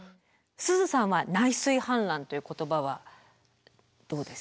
すずさんは「内水氾濫」という言葉はどうです？